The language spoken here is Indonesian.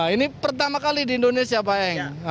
ini pertama kali di indonesia pak eng